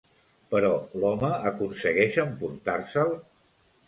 Però l'home aconsegueix emportar-se'l?